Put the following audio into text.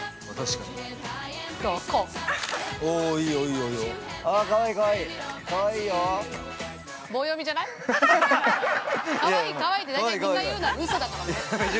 かわいい、かわいいって大体２回言うのは、うそだからね。